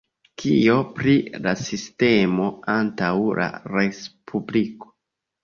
Kio pri la sistemo antaŭ la respubliko?